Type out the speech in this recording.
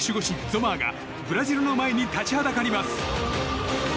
ゾマーがブラジルの前に立ちはだかります。